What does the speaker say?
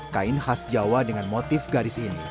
kain khas jawa dengan motif garis ini